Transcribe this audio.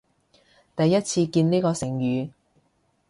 第一次見呢個成語